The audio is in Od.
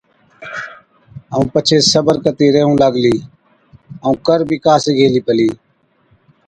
ائُون پڇي صبر ڪتِي ريهُون لاگلِي، ائُون ڪر بِي ڪا سِگھي هِلِي پلِي۔